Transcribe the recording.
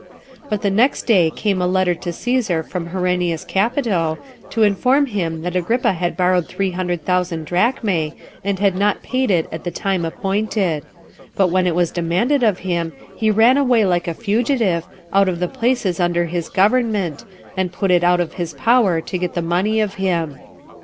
But the next day came a letter to Cæsar from Herennius Capito, to inform him that Agrippa had borrowed three hundred thousand drachmae, and not pad it at the time appointed; but when it was demanded of him, he ran away like a fugitive, out of the places under his government, and put it out of his power to get the money of him.